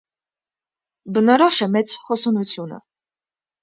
Բնորոշ է մեծ հոսունությունը։